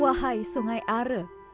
wahai sungai are